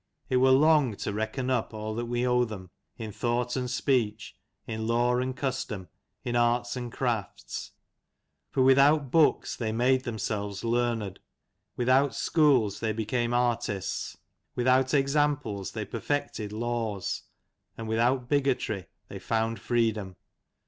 It were long to reckon up all that we owe them, in thought and speech, in law and custom, in arts and crafts ; for without books, they made themselves learned ; without schools, they became artists; without examples, they perfected laws ; and without bigotry, they found freedom.